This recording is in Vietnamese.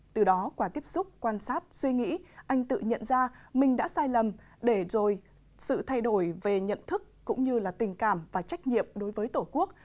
từ đó qua tiếp xúc quan sát suy nghĩ anh tự nhận ra mình đã sai lầm để rồi sự thay đổi về nhận thức cũng như là tình cảm và trách nhiệm đối với tổ quốc